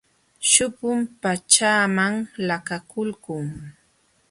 Shumpum pachaaman laqakulqun.